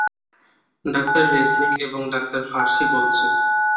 ডাঃ রেজনিক এবং ডাঃ ফারসি বলছি।